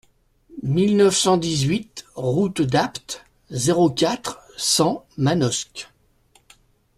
mille neuf cent dix-huit route d'Apt, zéro quatre, cent Manosque